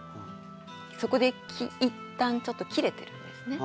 そこでいったんちょっと切れてるんですね。